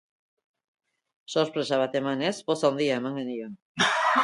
Sorpresa bat emanez poz handia eman genion.